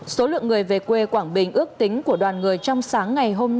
số lượng người về quê quảng bình ước tính của đoàn thanh niên hội phụ nữ công an tỉnh quảng bình